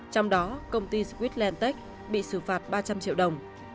trong đó công ty squidland tech bị xử phạt ba trăm linh triệu đồng